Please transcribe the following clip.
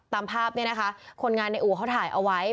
ตามภาพเนี่ยนะคะคนงานในอู่เขาถ่ายเอาไว้